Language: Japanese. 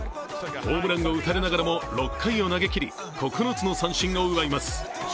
ホームランを打たれながらも６回を投げきり９つの三振を奪います。